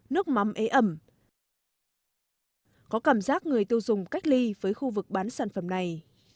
nước mắm ế ẩm có cảm giác người tiêu dùng cách ly với khu vực bán sản phẩm này